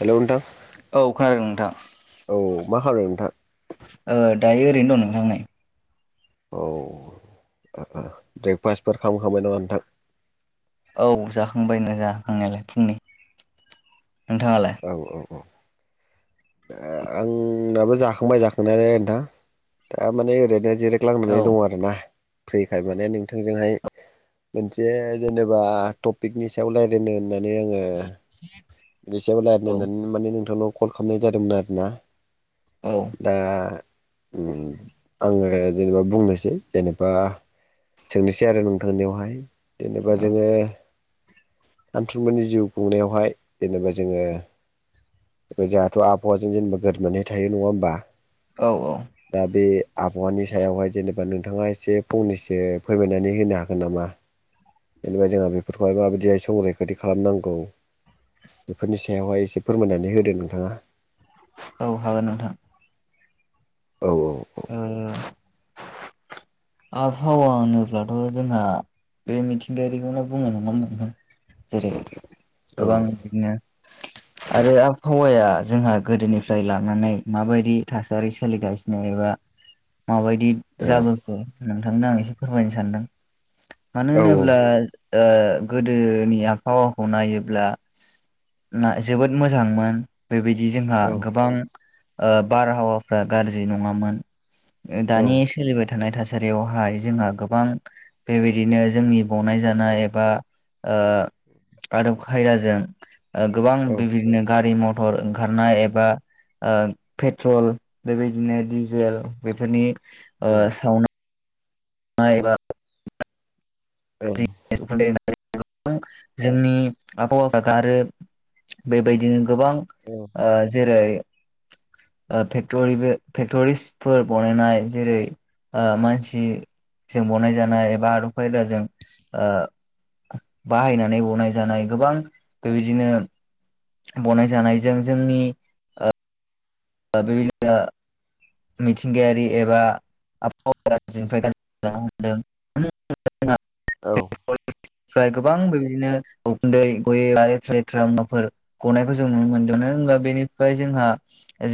हेलाव नोंथां औ खोनादों नोंथां औ मा खालादों नोंथां? ओ दायो ओरैनो दं नोंथां नै औ आफा ब्रेकफास्टफोर खालामखांबाय नामा नोंथां? औ जाखांबाय ना जाखांनायालाय फुंनि नोंथाङालाय औ औ औ ओ आंनाबो जाखांबाय जाखांनायालाय नोंथां थारमाने ओरैनो जिराय औ लांनानै दं आरोना। फ्रिखाय माने नोंथांजोंहाय मोनसे जेनेबा टपिकनि सायाव रायज्लायनो होननाय दे हमबा बेसेयाव दा दो औ नो माने नोंथांनाव कल खालामनाय जादोंमोन आरोना औ दा आङो जेनेबा बुंनोसै जेनेबा सोंनोसै आरो नोंथांनियावहाय जेनेबा जोङो सामथुममोननि जिउ खुंनायावहाय जेनेबा जोङो जाहाथ' आबहावाजों जेनेबा गोरबनानै थायो नङा होमबा औ औ दा बे आबहावानि सायावहाय जेनेबा नोंथाङा एसे फंनैसो फोरमायनानै होनो हागोन नामा? जेनेबा जोंहा बेफोरखौहाय माबायदिहाय संरैखाथि खालामनांगौ बेफोरनि सायावहाय एसे फोरमायनानै होदो नोंथाङा। औ हागोन नोंथां औ औ ओ आबहावा होनोब्लाथ' जोंहा बे मिथिंगायारिखौनो बुङो नङा होमबा नोंथां? जेरै औ गोबां बिदिनो [inaudible] आरो आबहावाया जोंहा गोदोनिफ्राय लानानै माबायदि थासारि सोलिगासिनो एबा माबायदि जाबोखो नोंथांनो आं एसे फोरमायनो सानदों मानो होनोब्ला ओ गोदोनि आबहावाखौ नायोब्ला ना जोबोद मोजांमोन। बेबायदि जोंहा औ गोबां ओ बारहावाफ्रा गाज्रि नङामोन। औ दानि सोलिबाय थानाय थासारियावहाय जोंहा गोबां। बेबायदिनो जोंनि बनाय जानाय एबा ओ आदब खायदाजों गोबां औ बेबायदिनो गारि मथर ओंखारनाय एबा ओ पेट्रल बेबायदिनो डिजेल बेफोरनि ओ मायबा औ गोबां जोंनि आबहावा गारो बेबायदिनो गोबां औ ओ जेरै ओ फेक्टरिबो फेक्टरिसफोर बानायनाय जेरै मानसिजों बनाय जानाय एबा आदब खायदाजों बाहायनानै बनाय जानाय गोबां बेबायदिनो बनाय जानायजों जोंनि [unintelligible] मिथिंगायारि एबा आबहावा गाजनिफ्राय ग्रि ज हदों औ गोबां बेबायदिनो उखुन्दै गयै लेथ्रा लेथ्रा मुवाफोर गनायखौ जों नुनो मोनदों मानो होनबा बेनिफ्राय जोंहा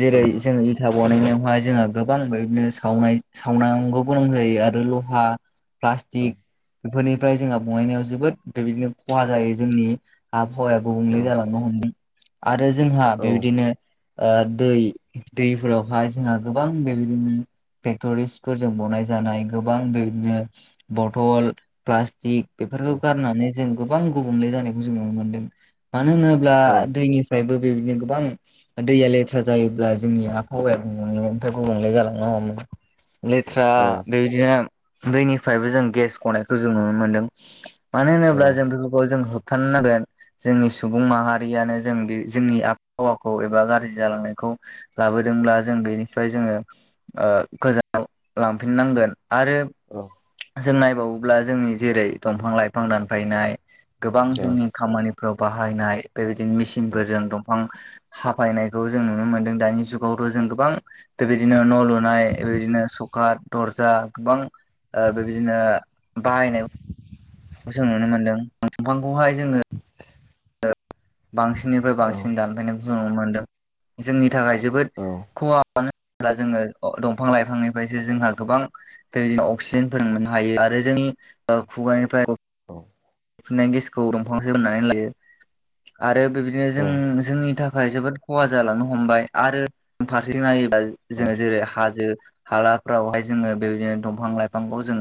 जेरै जों इथा बनायनायावहाय जोंहा गोबां बेदिनो सावनाय सावनांगौ गोनां जायो आरो लहा प्लास्टिक बेफोरनिफ्राय जोंहा बनायायनायाव जोबोद मफ्राय बिदिनो खहा जायो जोंनि आबहावाया गुबुंले जालांनो हमदों आरो जोंहा बेबायदिनो दै दैफोरावहाय जोंहा गोबां बेबायदिनो फेक्ट'रिसफोरजों बनाय जानाय गोबां बेबायदिनो बटल प्लास्टिक बेफोरखौ गारनानै जों गोबां गुबुंले जानायखौ जों नुनो मोनदों मानो होनोब अब्ला दै फ्रायबो बेबायदिनो गोबां दैया लेथ्रा जायोब्ला जोंनि आबहावाया ओमफ्राय गुबुंले जालांनो हमोमोन लेथ्रा बेबायदिनो दैनिफ्रायबो जों गेस गनायखौ जों नुनो मोनदों मानो होनोब्ला जों बेखौ जों होबथारनांगोन जोंनि सुबुं माहारियानो जों बे जोंनि आबहावाखौ एबा गाज्रि जालांनायखौ लाबोदोंब्ला जों बेनि फ्राय जोङो गोजान लांफिननांगोन आरो औ जों नायबावोब्ला जोंनि जेरै दंफां लाइफां दानफायनाय गोबां जोंनि खामानिफ्राव बाहायनाय बेबायदिनो मेचिनफोरजों दंफां' हाफायनायखौ जों नुनो मोनदों दानि जुगावथ' जों गोबां बेबायदिनो न' लुनाय बेबायदिनो सखा दरजा गोबां बेबायदिनो बाहायनाय जों नुनो मोन्दों दफांखौहाय जोङो। बांसिननिफ्राय बांसिन दानफायनायखौ जों नुनो मोनदों। जोंनि थाखाय जोबोद खहा [inaudible] होनब्ला जोङो दंफां लाइफांनिफ्रायसो जोंहा गोबां [unintelligible] अक्सिजेन फोर मोननो हायो आरो जोंनि ओ खुगानिफ्राय औ फुनाय गेसखौ दंफांसो होननानै लायो आरो बेदिनो जों जोंनि थाखाय जोबोद खहा जालांनो हमबाय आरो [unintelligible] नायोबा जोङो जेरै हाजो हालाफ्रावहाय जोङो बेबायदिनो दंफां लाइफांखौ जों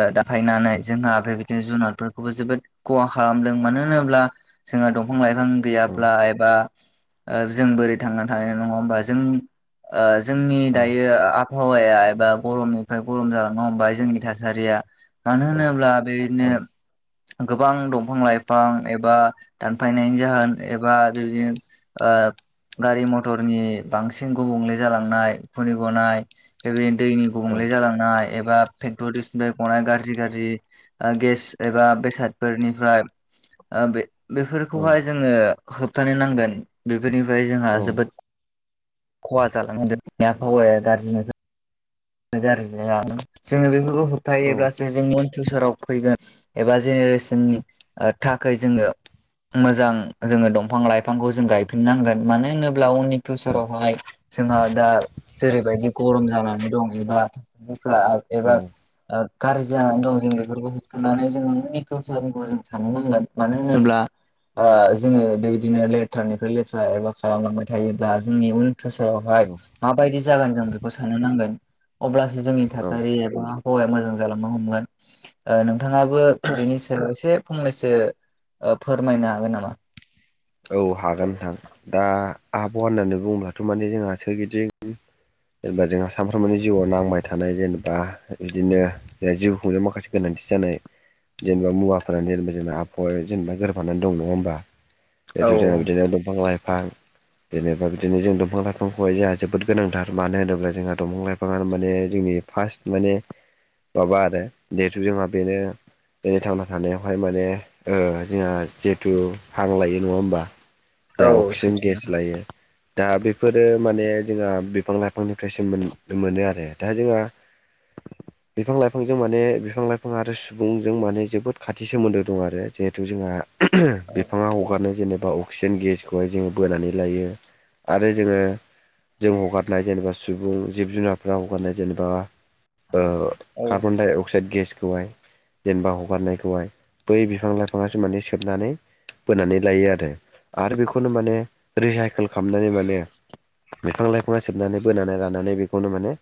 ओ दाफायनानै जोंहा बेबायदिनो जुनारफोरखौबो जोबोद खहा खालामदों मानो होनोब्ला जोंहा दंफां लाइफां गैयाब्ला एबा ओ जों बोरै थांनानै थानाय नङा होमबा जों जोंनि दायो आ बहावाया एबा गरमनिफ्राय गरम जालांनो हमबाय जोंनि थासारिया मानो होनोब्ला बेदिनो गोबां दंफां लाइफां एबा दानफायनायनि जाहोन एबा बिब्दि ओ गारि मथरनि बांसिन गुबुंले जालांनाय उखुन्दै गनाय बेबायदिनो दैनि औ गुबुंले जालांनाय एबा फेक्टरिसनिफ्राय गनाय गाज्रि-गाज्रि ओ गेस एबा बेसादफोरनिफ्राय बे औ बेफोरखौहाय जोङो होबथानो नांगोन बेफोरनिफ्राय जोंहा औ जोबोद ख खहा जालांदों [inaudible] आबहावाया गाज्रिनिफ्रा गाज्रि जालांदों जोङो बेफोरखौ होबथायायोब्लासो जों वान फिउसाराव फैगोन एबा जेनेरेसननि थाखाय जोङो मोजां जोङो दंफां लाइफांखौ जों गायफिननांगोन मानो होनो ब्ला उननि औ फिउसारावहाय जोंहा दा जेरैबायदि गरम जानानै बिबार [unintelligible] एबा औ ओ गाज्रि जानानै दं जों बेफोरखौ होबथानानै जों इयुननि फिवसारखौ जों साननो नांगोन मानो होनोब्ला ओ जोङो बेबायदिनो लेथ्रानिफ्राय लेथ्रा एबा खालामलांबाय थायोब्ला जोंनि उन थोसोरावहाय औ माबायदि जागोन जों बेखौ साननो नांगोन। अब्लासो जोंनि थासारि एबा हवाया मोजां जालांनो हमगोन। ओ नोंथाङाबो बेनि सायाव एसे फंनैसो ओ फोरमायनो हागोन नामा। औ हागोन नोंथां दा आबहावा होननानै बुङोब्लाथ' माने जोंहा सोरगिदिं जेनेबा जोंहा सानफ्रोमबोनि जिउआव नांबाय थानाय जेनेबा बिदिनो जिउ खुंनायाव माखासे गोनांथि जानाय जेनेबा मुवाफोरानो [unintelligible] जेनेबा आबहावा जेनेबा गोरफानानानै दं नङा होमबा [unintelligible] औ बिदिनो दंफां लाइफां जेनेबा बिदिनो जों दंफां लाइफांखौहाय जोंहा जोबोद गोनांथार मानो होनोब्ला जोंहा दंफां लाइफाङानो माने जोंनि फाष्ट माने माबा आरो जिहेथु जोंहा बेनो जोंनि थांना थानायावहाय माने जोंहा जिहेथु हां लायो नङा होमबा औ जोहा अक्सिजेन सैथो गेस नोंथां लायो दा बेफोरो माने जोंहा बिफां लाइफांनिफ्रायसो मोन-मोनो आरो दा जोंहा [inaudible] बिफां लाइफांजों माने बिफां लाइफां आरो सुबुंजों माने जोबोद खाथि सोमोन्दो दं आरो जिहेथु जोंहा [unintelligible] औ बिफाङा हगारनाय जेनेबा अक्सिजेन गेसखौहाय जोङो बोनानै लायो आरो जोङो जों हगारनाय जेनेबा सुबुं जिब जुनारफोरा हगारनाय जेनेबा ओ औ कार्बन डाइ अक्साइड गेसखौहाय जेनेबा हगारनायखौहाय बै बिफां लाइफाङासो माने सोबनानै बोनानै लायो आरो आरो बेखौनो माने रिसाइकेल खालामनानै माने बिफां लाइफाङा सेबनानै बोनानै रानानानै बेखौनो माने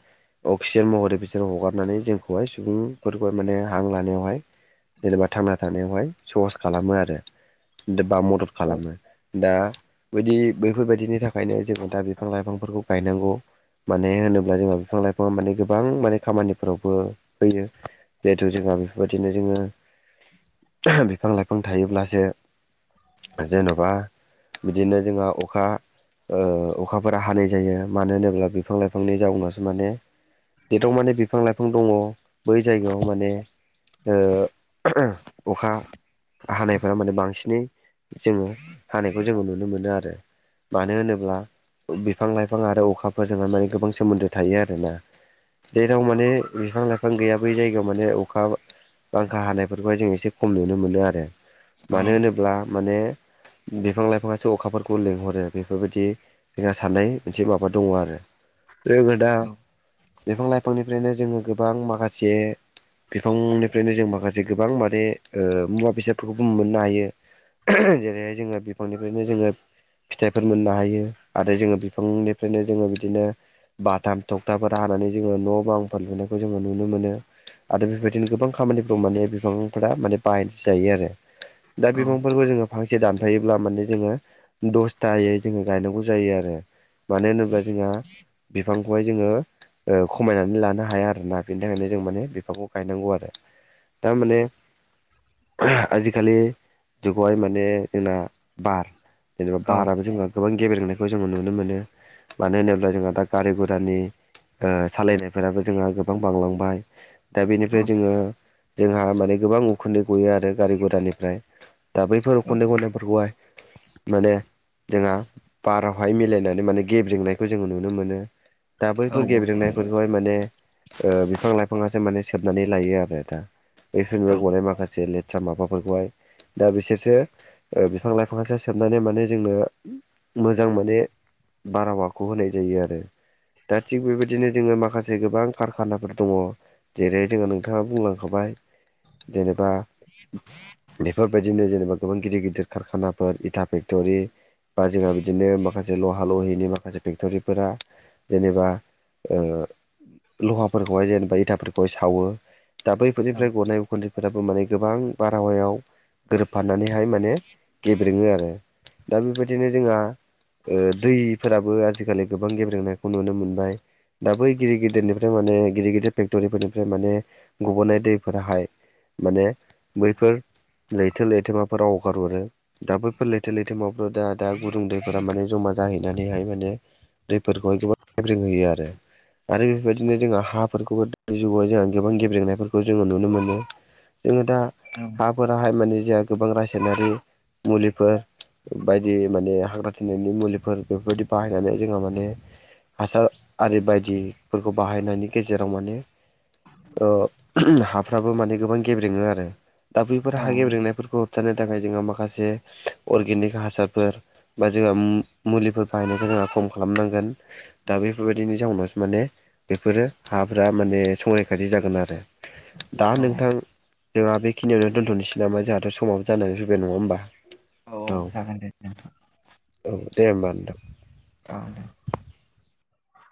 अक्सिजेन महरै बिसोर हगारनानै जोंखौहाय सुबुंफोरखौहाय माने हां लानायावहाय जेनेबा थांना थानायावहाय सहस खालामो आरो दो बा मदद औ खालामो। दा बिदि बैफोरबायदिनि थाखायनो जोङो दा बिफां लाइफांफोरखौ गायनांगौ। माने होनोब्ला जोंहा बिफां लाइफां माने गोबां माने खामानिफोरावबो होयो। जिहेथु जोंहा बेफोरबायदिनो जोङो बिफां लाइफां थायोब्लासो जेन'बा बिदिनो जोंहा अखा ओ अखाफोरा हानाय जायो मानो होनोब्ला बिफां लाइफांनि जाउनावसो माने जेथाव माने बिफां लाइफां दङ बै जायगायाव माने ओ अखा हानायफोरा माने बांसिनै जोङो हानायखौ जोङो नुनो मोनो आरो। मानो होनोब्ला बिफां लाइफां आरो अखाफोरजोंहाय माने गोबां सोमोन्दो थायो आरोना। जेराव माने बिफां लाइफां गैया बै जायगायाव माने अखा बांखा हानायफोरखौहाय जों एसे खम नुनो मोनो आरो मानो होनोब्ला माने बिफां लाइफांआसो अखाफोरखौ लिंहरो बेफोरबायदि जोंहा साननाय मोनसे माबा दङ आरो। जों दा औ बिफां लाइफांनि फ्रायनो जोङो गोबां माखासे बिफांनिफ्रायनो जों माखासे गोबां माने ओ मुवा बेसादफोरखौबो मोननो हायो। जेरैहाय जोङो बिफांनिफ्रायनो जोङो फिथाइफोर मोननो हायो आरो जोङो बिफांनिफ्रायनो जोङो बिदिनो बाथाम थखथाफोर हानानै जोङो न' बांफोर लुनायखौ जोङो नुनो मोनो आरो बेबायदिनो गोबां खामानिफ्राव माने बिफांफोरा माने बाहाय जायो आरो दा औ बिफां फोरखौ जोङो फांसे दानफायोब्ला माने जोङो दसथायै जोङो गायनांगौ जायो आरो। मानो होनोब्ला जोंहा बिफांखौहाय जोङो ओ खमायनानै लानो हाया आरोोना बेनि थाखायनो जों माने बिफांखौ गायनांगौ आरो। थारमाने आजिखालि जोंखौहाय माने जोंना‌ बार जेनेबा औ बारा जोंङो गोबां गेबेलेेंनायखौ जोङो नुनो मोनो मानो होनोब्ला जोंहा दा गारि गुरानि ओ सालायनायफोराबो जोंहा गोबां बांलांबाय दा औ बेनिफ्राय जोंङो जोंहा माने‌ गोबां उखुन्दै गयो आरो गारि गुरानिफ्राय दा बैफोर औ उखुन्दै गनायफोरखौहाय माने जोंहा बारावहाय मिलायनानै माने गेब्रेनायखौ जोङो नुनो मोनो। दा बैफोर गेब्रेनायफोरखौहाय माने ओ बिफां लाइफाङासो माने सोबनानै लायो आरो दा। बे फिन औ बे गनाय माखासे लेथ्रा माबाफोरखौहाय दा बिसोरसो ओ बिफां लाइफांआ सो सबनानै माने जोङो मोजां माने बारहावाखौ होनाय जायो आरो ‌। दा थिग बेबायदिनो जोङो माखासे गोबां कारखानाफोर दङ जेरै जोङो नोंथाङा बुंलांखाबाय जेनेबा बेफोरबायदिनो जेनेबा गोबां गिदिर गिदिर कारखानाफोर इथा फेक्ट'रि बा जोंहा बिदिनो माखासे लहा ल'हिनि माखासे फेक्ट'रिफोरा जेनेबा ओ लहाफोरखौहाय जेनेबा इथाफोरखौहाय सावो। दा बैफोर निफ्राय गनाय उखुन्दैफ्राबो माने गोबां बारहावायाव गोरोबफानानैहाय माने गेब्रेङो आरो दा बेबायदिनो जोंहा ओ दैफोराबो आजिखालि गोबां गेब्रेनायखौ नुनो मोनबाय। दा बै गिदिर गिदिरनिफ्राय माने गिदिर गिदिर फेक्ट'रिफोरनिफ्राय माने गब'नाय दैफोराहाय माने बैफोर लैथो लैथोमाफोराव हगारहरो। दा बैफोर लैथो लैथोमाफ्राव दा दा गुदुं दैफोरा माने जमा जाहैनानैहाय माने दैफोरखौहाय गोबां गेब्रेंहोयो आरो। आरो बेफोरबायदिनो जोंहा हाफोरखौबो दानि जुगआव जोंहा गोबां गेब्रेनायफोरखौ जोङो नुनो मोनो। जोङो दा औ ‌। हाहाय माने जोंहा गोबां रासायनारि मुलिफोर बायदि माने हाग्रा थिनायनि मुलिफोर बेफोरबायदि बाहायनानै जोङो माने हासार आरि बायदिफोरखौ बाहायनायनि गेजेराव माने ओ हाफ्राबो माने गोबां गेब्रेङो आरो दा बैफोर हा गेब्रेंनायफोरखौ हमथानो थाखाय जोंङो माखासे अर्गेनिक हासारफोर बा जोंहा मुलिफोर बाहायनायखौ जोंहा खम खालामनांगोन। दा बेफोरबायदिनि जाउनावसो माने बेफोरो हाफोरा माने संरैखाथि जागोन आरो। दा औ नोंथां जोंहा बेखिनियावनो दोनथ'नोसै नामा जोंहाथ' समावाब जानानै फैबाय नङा होमबा। औ जागोन दे नोंथां। औ दे होमबा नोंथां। ओ दे